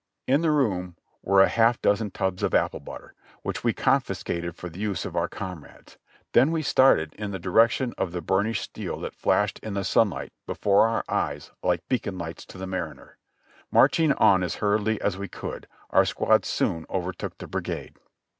In the room were a half dozen tubs of applebutter, which we confiscated for the use of our comrades ; then we started in the direction of the burnished steel that flashed in the sunlight before eyes like beacon lights to the mariner. Marching on as hurriedly as we could, our squad soon overtook the brigade.